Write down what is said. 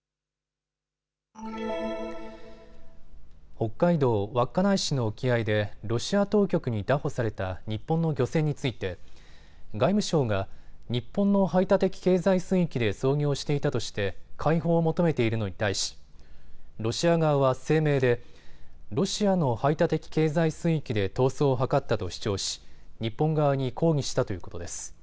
北海道稚内市の沖合でロシア当局に拿捕された日本の漁船について外務省が日本の排他的経済水域で操業していたとして解放を求めているのに対しロシア側は声明でロシアの排他的経済水域で逃走を図ったと主張し日本側に抗議したということです。